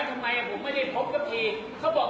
คนไข้ไม่มาต้องแกล้งว่านี่นะขอเลื่อนนะ